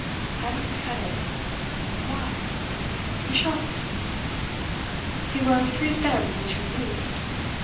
'I must cut it.' 'Why?' 'You shall see.' He wove three stems into a wreath.